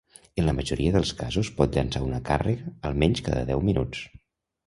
En la majoria dels casos pot llançar una càrrega almenys cada deu minuts.